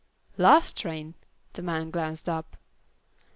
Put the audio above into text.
"Last train!" the man glanced up.